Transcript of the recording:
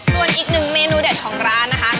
ส่วนอีกหนึ่งเมนูเด็ดของร้านนะคะ